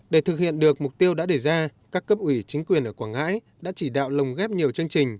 để thực hiện được mục tiêu đã đề ra các cấp ủy chính quyền ở quảng ngãi đã chỉ đạo lồng ghép nhiều chương trình